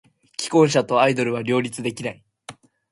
既婚者とアイドルは両立できない。